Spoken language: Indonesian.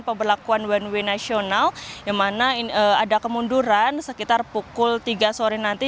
pemberlakuan one way nasional yang mana ada kemunduran sekitar pukul tiga sore nanti